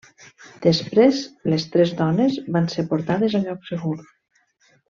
Després les tres dones van ser portades a lloc segur.